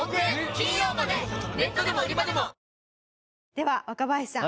では若林さん。